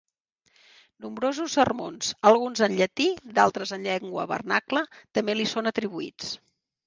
Nombrosos sermons, alguns en llatí, d'altres en llengua vernacla, també li són atribuïts.